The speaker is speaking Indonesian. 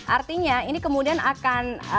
artinya ini kemudian akan